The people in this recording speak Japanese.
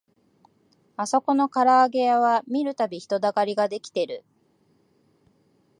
あそこのからあげ屋は見るたび人だかりが出来てる